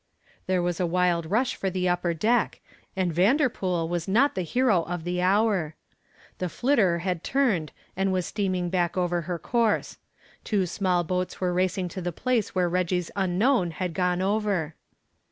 There was a wild rush for the upper deck, and Vanderpool was not the hero of the hour. The "Flitter" had turned and was steaming back over her course. Two small boats were racing to the place where Reggy's unknown had gone over.